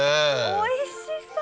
おいしそう！